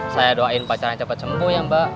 saya doain pacaran cepat sembuh ya mbak